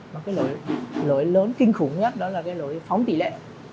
mà cái lỗi lớn kinh khủng nhất đó là cái lỗi phóng tỷ lệ